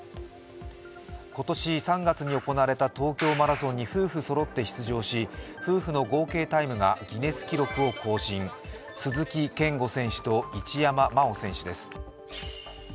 今年３月に行われた東京マラソンに夫婦そろって出場し、夫婦の合計タイムがギネス記録を更新、鈴木健吾選手と一山麻緒選手です。